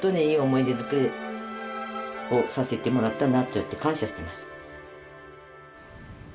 思い出づくりをさせてもらったなと感謝してます。